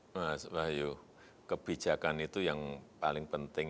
mas wahyu kebijakan itu yang paling penting